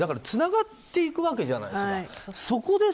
つながっていくわけじゃないですか。